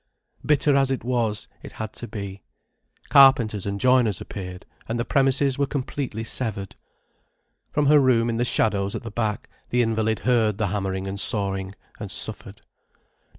Bitter as it was, it had to be. Carpenters and joiners appeared, and the premises were completely severed. From her room in the shadows at the back the invalid heard the hammering and sawing, and suffered.